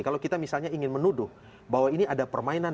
kalau kita misalnya ingin menuduh bahwa ini ada permainan